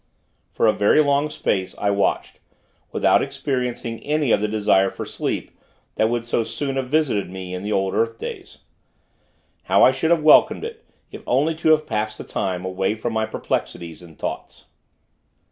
For a very long space, I watched, without experiencing any of the desire for sleep, that would so soon have visited me in the old earth days. How I should have welcomed it; if only to have passed the time, away from my perplexities and thoughts.